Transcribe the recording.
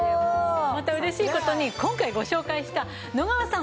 また嬉しい事に今回ご紹介した野川さん